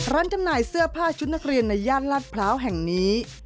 จำหน่ายเสื้อผ้าชุดนักเรียนในย่านลาดพร้าวแห่งนี้